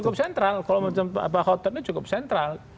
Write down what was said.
kalau pak al khotod itu cukup sentral